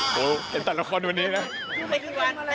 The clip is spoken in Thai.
โอ้โฮเป็นแต่ละคนวันนี้นะ